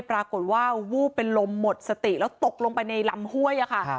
ปรากฏว่าวูบเป็นลมหมดสติแล้วตกลงไปในลำห้วยค่ะ